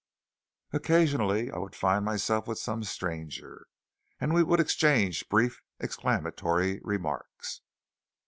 Occasionally I would find myself with some stranger, and we would exchange brief exclamatory remarks.